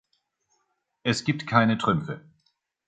Es gibt keine Trümpfe.